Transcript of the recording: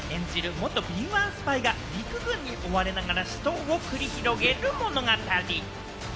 元敏腕スパイが、陸軍に追われながら死闘を繰り広げる物語。